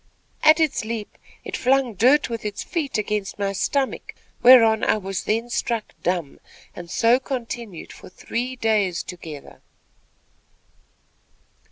At its leap, it flung dirt with its feet against my stomach, whereon, I was then struck dumb, and so continued for three days together."